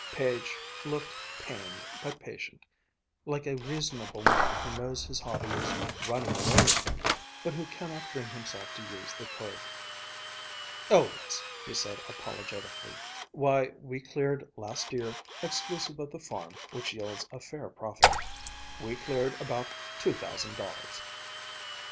Page looked pained but patient, like a reasonable man who knows his hobby is running away with him, but who cannot bring himself to use the curb. "Oh yes," he said apologetically. "Why, we cleared last year (exclusive of the farm, which yields a fair profit) we cleared about two thousand dollars."